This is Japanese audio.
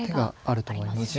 あると思います。